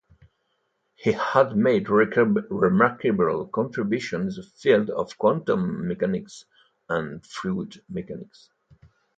He had made remarkable contribution in the field of Quantum Mechanics and Fluid Mechanics.